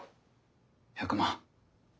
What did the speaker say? １００万。